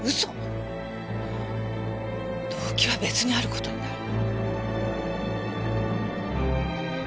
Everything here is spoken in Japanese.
動機は別にある事になる。